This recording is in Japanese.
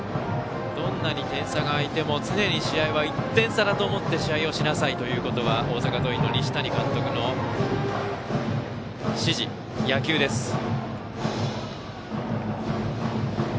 どんなに点差があっても常に試合は１点差だと思って試合をしなさいということは大阪桐蔭の西谷監督の指示、野球です。